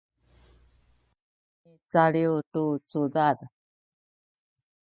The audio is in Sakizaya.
micaliw tu cudad